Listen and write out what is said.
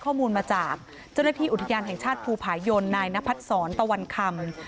ข้อมูลมาจากเจ้าหน้าที่อุทยานแห่งชาติภูผายนนายนพัดศรตะวันคำ